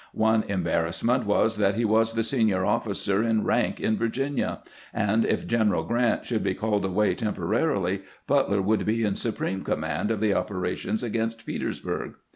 One embarrassment was that he was the senior officer in rank in Virginia, and if General Grant should be called away temporarily, Butler would be in supreme command of the operations against Petersburg.